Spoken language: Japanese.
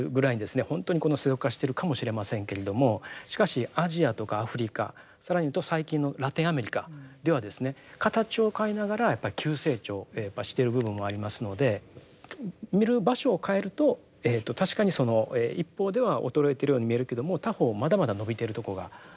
本当にこの世俗化しているかもしれませんけれどもしかしアジアとかアフリカ更に言うと最近のラテンアメリカではですね形を変えながらやっぱり急成長をしている部分もありますので見る場所を変えると確かにその一方では衰えてるように見えるけれども他方まだまだ伸びてるところがあると。